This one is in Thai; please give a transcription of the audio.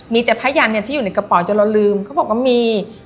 มีแต่ไพยันเนี้ยที่อยู่ในกระป๋อจนเราลืมเขาบอกว่ามี